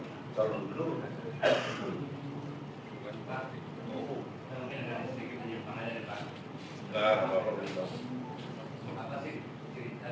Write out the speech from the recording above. tapi kalau menurut dewan pakar kenapa dewan pakar mengimrekomendasikan pak hidup semangat sebagai seorang pemerintah